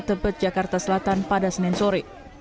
tebet jakarta selatan pada senin sore